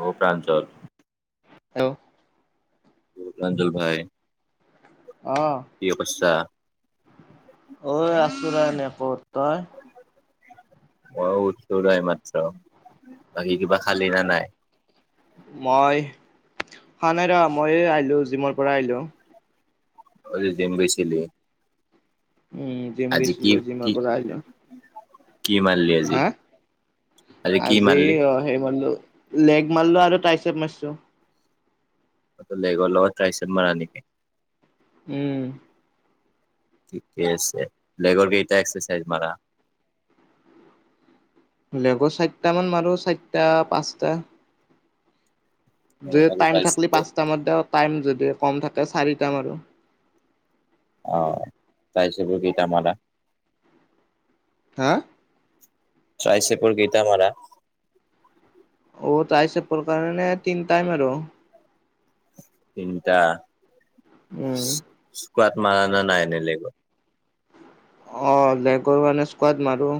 অ ব্ৰাঞ্চত হেল্ল অঞ্জল ভাই প্ৰিয় বচা অঐ আছোৰা নে কত তই মই উঠ নাই মাত্ৰ বাকী কিবা খালি নে নাই। মই হা খোৱা নাই ৰ মই আহিলো জিমৰ পৰা আহিলো। আজি জিম গৈছিলি। উম জিম আজি কি গেছিলো কি জিমৰ পৰা আহিলো। কি মাৰলি আজি? হা কি আজি মাৰলি? অ সেই বন্ধো লেগ মাৰলো আৰু টাই চপ মাৰিছো। অটো লাগি গ'ল টাইছত মাৰা নেকি উম ঠিকেই আছে লেগৰ কেইটা এক্সাৰচাইজ মাৰা লেব চাৰিটা মান মাৰো চাৰিটা পাঁচটা অ', যদি আৰু টাইম থাকলি ট্ৰাইচেপৰ? পাঁচটা মাৰো টাইম যদি কম থাকে চাৰিটা মাৰো আৰু অহ তাইচব কেইটা মাৰা। হা তাইচাইছেপৰ কেইটা মাৰা অ তাই চপৰ কাৰণে তিনি টাইম আৰু তিনটা উম মাৰ না নাই বেলেগৰ অ লেগৰ কৰা ন স্কাদ মাৰো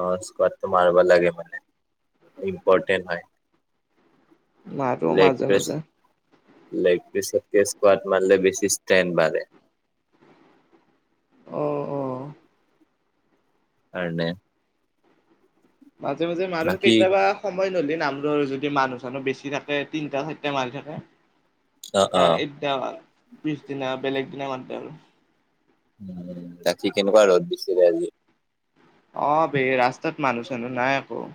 অ স্কডটো মাৰব লাগে মানে। ইম্পৰ্টেণ্ট হয়। মাৰো লেগ মাজে প্ৰেছ মাজে। লেগ পিছতকে স্কোৱাড মাৰিলে বেছি ষ্ট্ৰেণ্ড বাঢ়ে। অঁ অঁ কাৰণে মাজে মাজে মাৰো বাকী কেইয়াবা সময় ললে নামৰ যদি মানুহ চানুহ বেছি থাকে তিনটা ঠাইতে মাৰি থাকে অ অ এতিয়া এক পিছ দিনা বেলেগ দিনা ম আৰু তেনেকুৱা ৰ'দ দিছিলে আজি অ ভে ৰাস্তাত মানুহ চানহ নাই আকৌ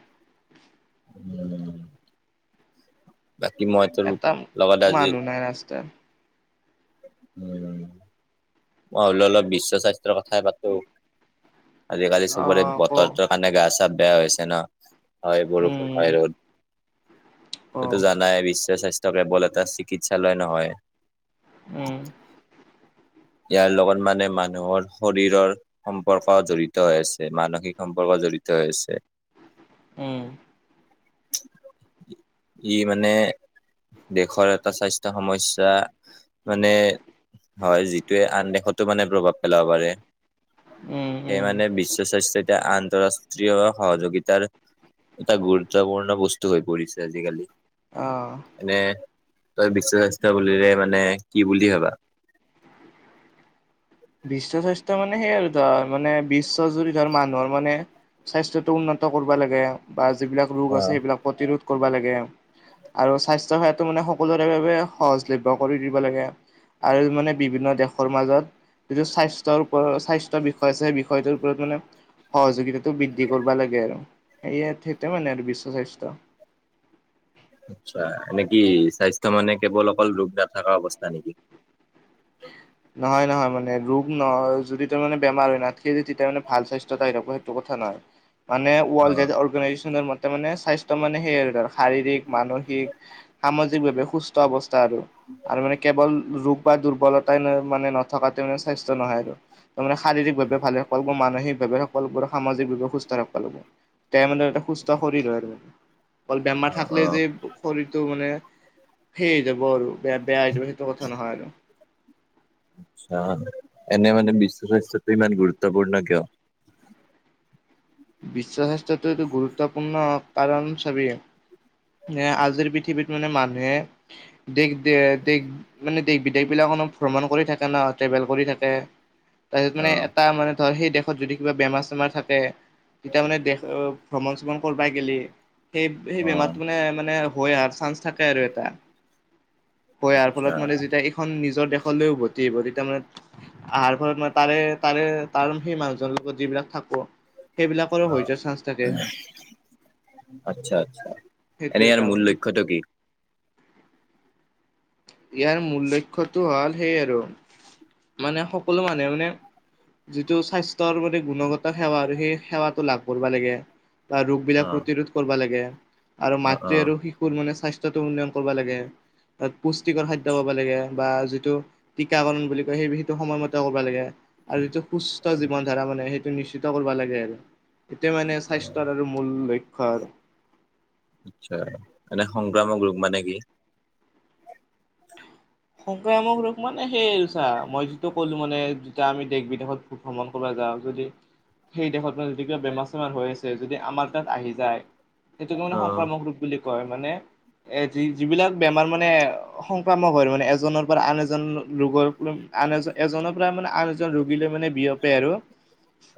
বাকী মইতো এটা লগাদজি মানুহ নাই ৰাস্তাত উ মই ভাবিলো অলপ বিশ্ব স্বাস্থ্যৰ কথাই পাতো আজিকালি অ চবৰে ক বতৰটোৰ কাৰণে গা চা বেয়া হৈছে ন হয় বৰষুণ উম হয় ৰ'দ ক তইটো জানাই বিশ্ব স্বাস্থ্য কেৱল এটা চিকিৎসালয় নহয় উম। উ ইয়াৰ লগত মানে মানুহৰ শৰীৰৰ সম্পৰ্ক জড়িত হৈ আছে মানসিক সম্পৰ্ক জড়িত হৈছে উ [unintelligible] ই মানে দেশৰ এটা স্বাস্থ্য সমস্যা মানে হয় যিটোৱে আন দেশতো মানে প্ৰভাৱ পেলাব পাৰে উম সেই উম মে বিশ্ব স্বাস্থ্য এতিয়া আন্তঃৰাষ্ট্ৰীয় সহযোগিতাৰ এটা গুৰুত্বপূৰ্ণ বস্তু হৈ পৰিছে আজিকালি অহ এনে তই বিশ্ব স্বাস্থ্য বুলিলে মানে কি বুলি ভাবা বিশ্ব স্বাস্থ্য মানে সেই আৰু ধৰ মানে বিশ্বজুৰি ধৰ মানুহৰ মানে স্বাস্থ্যটো উন্নত কৰিব লাগে বা যিবিলাক ৰোগ অ আছে সেইবিলাক প্ৰতিৰোধ কৰিব লাগে। আৰু স্বাস্থ্য সেৱাটো মানে সকলোৰে বাবে সহজলভ্য কৰি দিব লাগে। আৰু মানে বিভিন্ন দেশৰ মাজত যিটো স্বাস্থ্যৰ ওপৰত স্বাস্থ্য বিষয় আছে সেই বিষয়টোৰ ওপৰত মানে সহযোগিতাটো বৃদ্ধি কৰিব লাগে আৰু সেইয়া সেইটোৱে মানে আৰু বিশ্ব স্বাস্থ্য [inaudible] আচ্ছা এনে কি স্বাস্থ্য মানে কেৱল অকল ৰোগ নাথকা অৱস্থা নেকি? নহয় নহয় মানে ৰোগ নহয় যদি তাৰ মানে বেমাৰ হয় নাথকে যদি তেতিয়া মানে ভাল স্বাস্থ্য অহ থাকে সেইটো কথা নহয় মানে অ ৱৰ্ল্ড হেল্থ অৰ্গনাইজেচনৰ মতে মানে স্বাস্থ্য মানে সে আৰু ধৰা শাৰীৰিক, মানসিক, সামাজিকভাৱে সুস্থ অৱস্থা আৰু। আৰু মানে কেৱল ৰোগ বা দুৰ্বলতাই মানে নথকাতে মানে স্বাস্থ্য নহয় আৰু তাৰ মানে শাৰীৰিক ভাৱে ভালে মানসিকভাৱে সকলোবোৰ সামাজিকভাৱে সুস্থ ৰাখব লাগব। তাই মানে এটা সুস্থ শৰীৰ হয় আৰু [unintelligible] অল বেমাৰ অ অ থাকলে যে শৰীৰটো মানে সেই হৈ যাব গল বেয়া বেয়া যাব সেইটো কথা নহয় আৰু এনে মানে বিশ্ব স্বাস্থ্যটো ইমান গুৰুত্বপূৰ্ণ কিয় বিশ্ব স্বাস্থ্যটো এইটো গুৰুত্বপূৰ্ণ কাৰণ চবেই এ আজিৰ পৃথিৱীত মানে মানুহে দেশ দেশ মানে দেশ বিদেশ বিলাক ভ্ৰমণ কৰি থাকে ন ট্ৰেভেল কৰি থাকে তাৰছত অ মানে এটা মানে ধৰ সেই দে যদি কিবা বেমাৰ চেমাৰ থাকে তেতিয়া মানে দেশ ভ্ৰমণ চ্ৰমণ কৰবাই গলে সেই সেই অ বেমাৰটো মানে মানে হৈ অহাৰ চান্স থাকে আৰু এটা হয় ইয়াৰ আচ্ছা ফলত মানে যেতিয়া এইখন নি নিজৰ দেশলৈ উভতি আহিব তেতিয়া মানে আহাৰ ফলত মানে তাৰে তাৰে তাৰ সেই মানুহ লগত যি সেইবিলাকৰ হৈ যোৱাৰ চান্স থাকে আচ্ছা আচ্ছা সেইটো এনে ইয়াৰ এটা মূল মানে লক্ষ্যটো কি ইয়াৰ মূল লক্ষ্যটো হ'ল সেই আৰু মানে সকলো মানুহ মানে যিটো স্বাস্থ্যৰ মানে গুণগত সেৱা আৰু সেই সেৱাটো লাভ কৰিব লাগে বা ৰোগ অ বিলাক প্ৰতিৰোধ কৰিব লাগে। আৰু অ অ মাতৃ আৰু শিশুৰ মানে স্বাস্থ্যতো উন্নয়ন কৰিব লাগে ত পুষ্টিকৰ খাদ্য খাব লাগে। বা যিটো টিকাকৰণ বুলি কয় সেইটো সময়মতে কৰিব লাগে আৰু যিটো সুস্থ জীৱন ধাৰা মান সেইটো নিশ্চিত কৰিব লাগে আৰু। এটোয়ে মানে স্বাস্থ্যৰ আৰু মূল লক্ষ্য আৰু আচ্ছা এনে সংক্ৰামক ৰোগ মানে কি? সংক্ৰামক ৰোগ মানে সেই আৰু চা, মই যিটো কলো মানে যেতিয়া আমি দেশ-বিদেশত ভ্ৰমণ কৰ [unintelligible] যদি সেই দেশত মানে যদি কিবা বেমাৰ-চেমাৰ হৈ আছে যদি আমাৰ তাত আহি যায়। সেইটোকে মানে অ', সংক্ৰামক ৰূপ বুলি কয় মানে এ যি যিবিলাক বেমাৰ মানে সংক্ৰামক হয় [unintelligible] এজনৰ পৰা আন এজন ৰোগক ল আন এজন এজনৰ পৰা মানে আন এজন ৰোগীলৈ মানে বিয়পে আৰু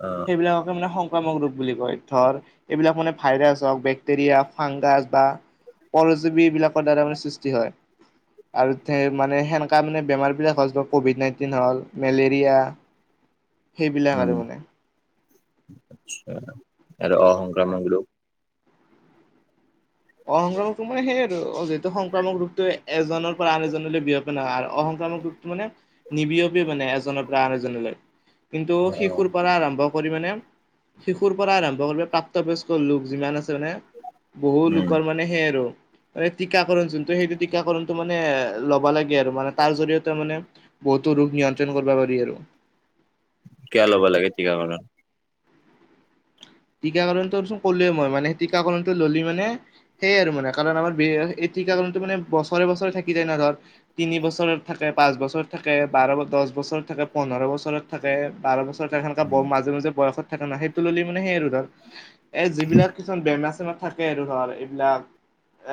অ', সেই বিলাককে মানে সং ক্ৰামক ৰূপ বুলি কয়। ধৰ এইবিলাক মানে ভাইৰাছ হওক, বেক্টেৰিয়া ফাংগাছ, বা পৰজীৱী এইবিলাকৰ দ্বাৰা মানে সৃষ্টি হয়, আৰু মানে সেনেকা মানে বেমাৰবিলাক হল ক'ভিড নাইনটিন হ'ল, মেলেৰিয়া। সেইবিলাক আৰু মানে। আ আৰু অ সংক্ৰামক ৰোগ অসংক্ৰামকটো মানে সেই আৰু যিহেতু সংক্ৰামক ৰোগটো এজনৰ পৰা আন এজনলৈ বিয়পে না আৰু অসং সংক্ৰামক ৰোগটো মানে নিবিয়পে মানে এজনৰ পৰা আন এজনলৈ। কিন্তু শিশুৰ অ', পৰা আৰম্ভ কৰি মানে শিশুৰ পৰা আৰম্ভ কৰি প্ৰাপ্তবয়স্ক লোক যিমান আছে। মানে বহু লোক উম, সে আৰু। মানে টীকাকৰণ যোনটো সেইটো টীকাকৰণটো মানে ল'ব লাগে আৰু। মানে তাৰ জৰিয়তে মানে বহুত ৰোগ নিয়ন্ত্ৰণ কৰব পাৰি আৰু। কিয়া ল'ব লাগে টীকাকৰণ? টীকাকৰণটোচোন ক'লোৱে মই। মানে টীকাকৰণটো ললি মানে সেয়াই আৰু মানে কাৰণ আমাৰ [unintelligible] টীকাকৰণটো মানে বছৰে বছৰে থাকি যায় ন। ধৰ তিনি বছৰত থাকে, পাঁচ বছৰ থাকে, বাৰ, দহ বছৰত থাকে, পোন্ধৰ বছৰত থাকে, বাৰ বছৰ [unintelligible] কা উম, মাজে মাজে বয়সত থাকে না। সেইটো ললি মানে সেই আৰু ধৰ এই যিবিলাক কিছুমান বেমাৰ থাকে আৰু ধৰ এইবিলাক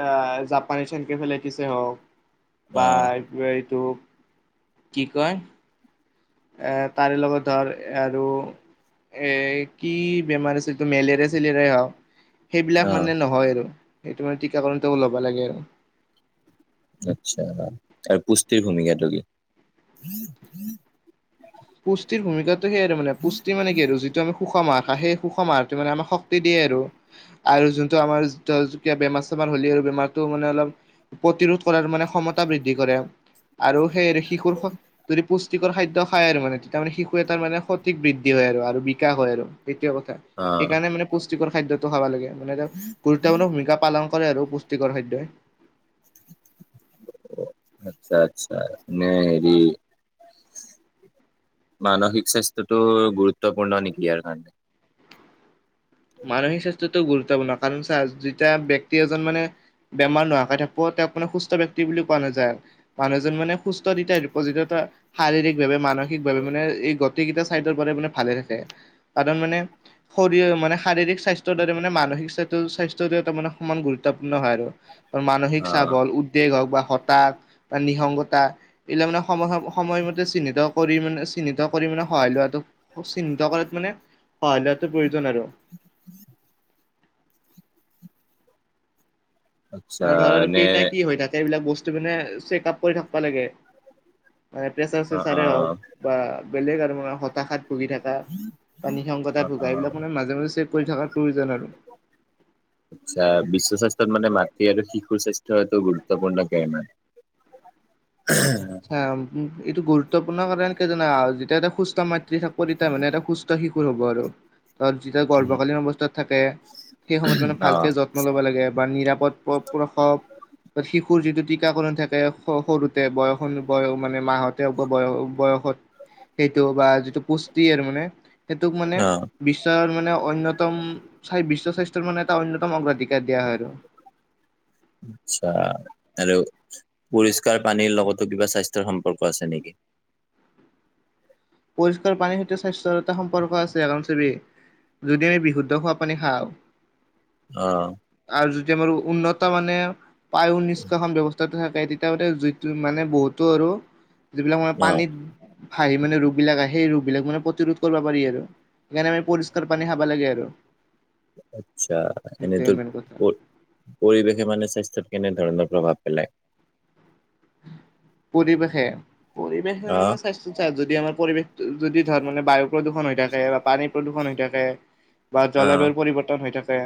এ জাপানী এনকেফেলাইটিছে হওক অ', বাৰটো এইটো কি কিয়? এ তাৰে লগত ধৰ আৰু এ কি বেমাৰ আছে এইটো মেলেৰিয়া চেলেৰিয়া হা সেইবিলাক অ', মানে নহয় আৰু সেইটো মানে টীকাকৰণটো ল'ব লাগে আৰু আচছা আৰু পুষ্টি ভূমিকাটো কি? পুষ্টিৰ ভূমিকাটো সেয়াই মানে পুষ্টি মান কি আৰু যিটো আমি সুষম আহাৰ সেই সুষম আহাৰ টো মানে আমাক শক্তি দিয়ে আৰু যোনটো আমাৰ জ জকীয়া বেমাৰ চাৰ হলে আৰু বেমাৰটো মানে অলপ প্ৰতিৰোধ কৰাৰ মানে ক্ষমতা বৃদ্ধি কৰে। আৰু সেই আৰু শিশুৰ খ যদি পুষ্টিকৰ খাদ্য খাই আৰু মানে। তেতিয়া মানে শিশু এটাৰ মানে সঠিক বৃদ্ধি হয় আৰু বিকাশ হয় আৰু। এইটোৱে কথা। অ', সেইকাৰণে মানে পুষ্টিকৰ খাদ্যটো খাব লাগে। মানে ত গুৰুত্বপূৰ্ণ ভূমিকা পালন কৰে আৰু পুষ্টিকৰ খাদ্যই। আচ্ছা, আচ্ছা নে হেৰি মানসিক স্বাস্থ্যটো গুৰুত্বপূৰ্ণ নেকি ইয়াৰ কাৰণে? মানসিক স্বাস্থ্যটো গুৰুত্বপূৰ্ণ। কাৰণ চা যেতিয়া ব্যক্তি এজন মানে বেমাৰ নহাকৈ থাকব আপোনাক সুস্থ ব্যক্তি বুলি কোৱা নাযায়। মানুহজন মানে সুস্থ [unintelligible] শাৰীৰিক ভাৱে মান মানসিকভাৱে মানে এই গতি কেইটা চাইডৰ ব মানে ভালে থাকে। কাৰণ মানে শৰী মানে শাৰীৰিক স্বাস্থ্যৰ দৰে মানে মানসিক [unintelligible] স্বাস্থ্যৰ দৰে [unintelligible] মানে সমান গুৰুত্বপূৰ্ণ হয় আৰু। মানসিক চাপ অ', হল, উদ্বেগ হওক বা হতাশ বা নিঃসংগতা এইবিলাক মানে সমসাম সময়মতে চিহ্নিত কৰি মানে চিহ্নিত কৰি মানে সহায় লোৱাটো চিহ্নিত কৰাত মানে সহায় লোৱাটো প্ৰয়োজন আৰু। আচ্ছা, ধৰ নে আৰুকেইটা কি হৈ থাকে এইবিলাক বচ মানে চেকাপ কৰি থাকব লাগে। হয় প্ৰেচাৰ অ', চেচাৰেই হক অ', বা বেলেগ আৰু মানে হতাশাত ভুগি থাকা, বা নিসংগতা অ', ভুগা অ', এইবিলাক মানে মাজে-মাজে চে কৰি থাকাৰ প্ৰয়োজন আৰু। [unintelligible] আচ্ছা বিশ্ব স্বাস্থ্যত মানে মাতৃ আৰু শিশুৰ স্বাস্থ্যটো গুৰুত্বপূৰ্ণ কাৰমান- অ- এইটো গুৰুত্বপূৰ্ণ কাৰণ কি জান যেতিয়া এটা সুস্থা ম থাকোঁ তেতিয়া মানে এটা সুস্থ শিশুৰ হ'ব আৰু ত যেতিয়া গৰ্ভকালীন অৱস্থাত থাকে সেই সময়ত মানে অ', ভালকে যত্ন ল'ব লাগে বা নিৰাপদ প্ৰসৱ বা শিশুৰ যিটো দিশ শ্ষাকণ থাকে সৰুতে বয়স অনুসই মানে মাহতে বয়স বয়সত সেইটো বা যিটো পুষ্টি আৰু মানে সেইটোক মানে অ', বিশ্বৰ মানে অন্যতম বিশ্ব স্বাস্থ্যৰ মানে এটা অন্যতম অগ্ৰাধিক আচ্ছা আৰু পৰিষ্কাৰ পানীৰ লগতো কিবা স্বাস্থ্যৰ সম্পৰ্ক আছে নেকি? পৰিষ্কাৰ পানীৰ সৈতে স্বাস্থ্যৰ এটা সম্পৰ্ক আছে এগম চবি যদি আমি বিশুদ্ধ খোৱাপানী খাওঁ অ যে মাৰ উন্নত মানে পায়ু নিষ্কাশন ব্যৱস্থাটোহে তেতিয়া মানে বহুতো আৰু যিবিলাক মানে ন পানীত ভাই মানে ৰ ৰোগ বিলাক আহে সেই ৰোগ বিলাক মানে প্ৰতিৰোধ কৰিব পাৰি আৰু সেইকাৰণে আমি পৰিষ্কাৰ পানী খাব লাগে আৰু আচ্ছা সেইটোৱে এনেইটো মেইন কথা পৰিৱেশে মানে স্বাস্থ্যৰ কেনে ধৰণৰ প্ৰভাৱ পেলাই পৰিৱেশে পৰিৱেশে অ', মানে স্বাস্থ্য যদি আমাৰ পৰিৱেশ যদি ধৰ মানে বায়ু প্ৰদূষণ হৈ থাকে বা পানী প্ৰদূৰষণ হৈ থাকে বা অ', জলবায়ু পৰিৱৰ্তন হৈ থাকে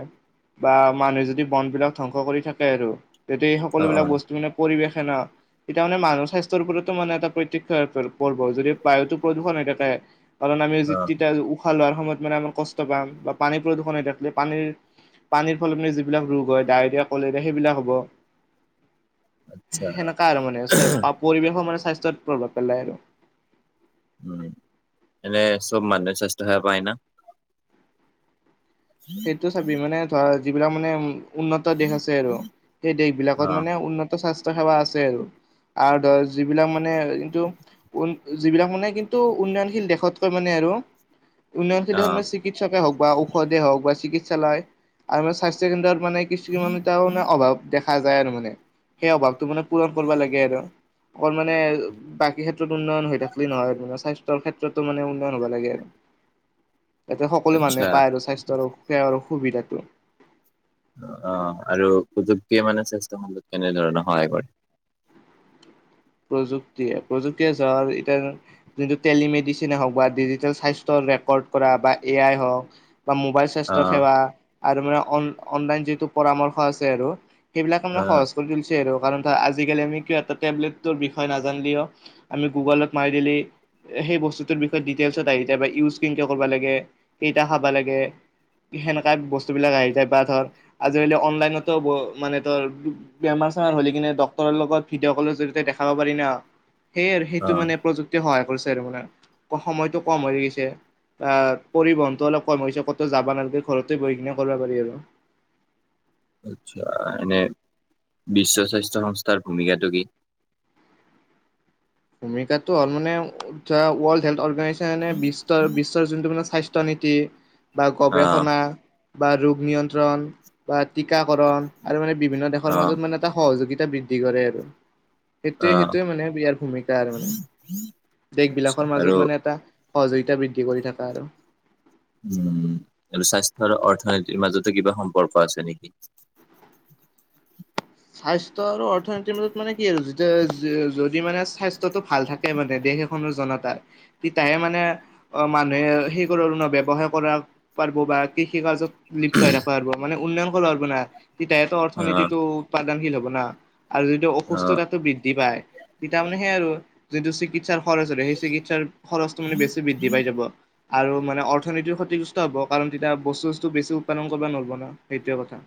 বা মানুহে যদি বন বিলাক ধ্বংস কৰি থাকে আৰু তেতিয়া এই অ', সকলোবিলাক অ', বস্তু মানে পৰিৱেশে না এতিয়া মানে মানুহৰ স্বাস্থ্যৰ ওপৰতো মানে এটা প্ৰতক্ষ পৰ্ব যদি বায়ুটো প্ৰদূষণ হৈ থাকে কাৰণ আমি য অ', তিয়া উশাহ লোৱাৰ সময়ত মানে আমাৰ কষ্ট পাম বা পানী প্ৰদূষণ হৈ থাকিলে পানীৰ পানীৰ ফলনি যিবিলাক ৰোগ হয় ডায়েৰিয়া কলেৰিয়া সেইবিলাক হ'ব আচ্ছা তাৰ মানে পৰিৱেশৰ মানে স্বাস্থ্যৰ প্ৰভাৱ পেলাই আৰু উম এনে চব মানুহে স্বাস্থ্য হেয়া কৈ না সেইটো চাবি মানে ধৰা যিবিলাক মানে উন্নত দেশ আছে আৰু সেই দেশ বিলাকত অ', মানে উন্নত স্বাস্থ্য সেৱা আছে আৰু আৰু ধৰ যিবিলাক মানে কিন্তু উ যিবিলাক মানে কিন্তু উন্নয়নশীল দেশতকৈ মানে আৰু উন্নয়নশীল অ', চিকিৎসকে হওঁক বা ঔষধে হওঁক বা চিকিৎসালয় আৰু স্বাস্থ্য কেন্দ্ৰত মানে কিছুমান এটাও মানে অভাৱ দেখা যায় আৰু মানে সেই অভাৱটো মানে পূৰণ কৰিব লাগে আৰু অকল মানে বাকী ক্ষেত্ৰত উন্নয়ন হৈ থাকিলই নহয়ে স্বাস্থ্যৰ ক্ষেত্ৰত মে উন্নয়ন হব লাগে আৰু যাতে সকলো আচ্ছা মানুহে পায় আৰু স্বাস্থ্যৰ সেৱা আৰু সুবিধাটো অ আৰু সুযোগে মানে স্বাস্থ্য কেনেধৰণে সহায় কৰে প্ৰযুক্তিয়ে প্ৰযুক্তিয়ে ধ এতিয়া যটো টেলিমেডিচনে হওক বা ডিজিটেল স্বাস্থ্যৰ ৰেকৰ্ড কৰা বা এ আই হওক বা মোবাইল স্বাস্থ্য অ', সেৱা আৰু মানে অনলাইন যিটো পৰামৰ্শ আছে আৰু সেইবিলাক মানে অ', সহজ কৰি তুলিছে আৰু কাৰণ ত আজিকালি আমি কিয় এটা টেবলেট লেতৰ বিষয়ে নাজানিলেও আমি গোগলত মাৰি দিলে সেই বস্তুটোৰ বিষয়ে দিটেইচত আহি যায় ইউজ কেনকে কৰব লাগে কেইটা খাবা লাগে সেনেকা বস্তু বিলাক আহি যায় বা ধৰ আজিকালি অনলাইনতো মানে ধৰ বেমাৰ হ কিনে ডক্তৰ লগত ভিডিঅ' কলৰ জৰিয়তে দেখাব পাৰি ন সেয়ে সেইটো অ', মানে প্ৰযুক্তি সহায় কৰিছে ত মানে সময়তটো কম হৈ গৈছে আহ পৰিবহনতটো অলপ কম হৈছে ক'ত যাব নালাগে ঘৰতে বহিকিনা কৰিব পাৰি আৰু [inaudible] আচ্ছা এনে বিশ্ব স্বাস্থ্য সংস্থাৰ ভূমিকাটো কি ভূমিকাটো হ'ল মানে ৱৰ্ল হেল অৰ্গনজ বিশ্ব বিশ্বৰ যোনটো মানে স্বাস্থ্য নীতি বা অ', গৱেষণা বা ৰোগ নিয়ন্ত্ৰণ বা টীকাকৰণ আৰু মানে বিভিন্ন দেশৰ অ', মাজত মানে এটা সহযোগিত বৃদ্ধি কৰে আৰু সেইটোৱে অ', সেইটোৱে মানে ইয়াৰ ভূমিকা এ মানে দেশ আচ্ছা বিলাকৰ আৰু মাজত মানে এটা সহযোগিতা বৃদ্ধি কৰি থকা আৰু উম আৰু স্বাস্থ্য আৰু অৰ্থনীতিৰ মাজতো কিবা সম্পৰ্ক আছে নেকি [inaudible] স্বাস্থ্য আৰু অৰ্থনীতিৰ মাজত মানে কি আৰু যেতিয়া যদি মানে স্বাস্থ্যটো ভাল থাকে মানে দেশ এখনৰ জনতাৰ তেতাহে মানে অ মানুহে সেই কৰণৰ ব্যৱহাৰ কৰা পাৰব বা কৃষি কাৰ্যত লিপ্ত হৈ থাকিব আৰুব মানে উন্নয়ন কৰিব হব না তেতিাহো অ', অৰ্থনীতিটো উৎপাদনশীল হ'ব না আৰু যিটো অ', অসুস্থতাটো বৃদ্ধি পায় তেতিয়া মানে সেইয় আৰু যিটো চিকিৎসাৰ খৰচৰে সেই চিকিৎসাৰ খৰচটো মানে বেছি বৃদ্ধি পাই যাব আৰু মানে অৰ্থনীতি ক্ষতিগ্ৰস্ত হ'ব কাৰণ তেতিয়া বস্তু বস্তু বেছি উৎপাদন কৰিব নোৱাৰব ন সেইটোৱে কথা